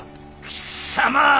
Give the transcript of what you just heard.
貴様！